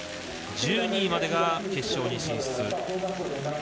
１２位までが決勝進出。